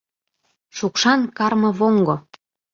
Шукшан кармывоҥго!